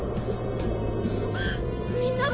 みんなが。